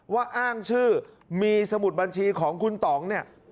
ว่าอ้างชื่อมีสมุดบัญชีของคุณต่องเนี่ย